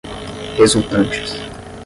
resultantes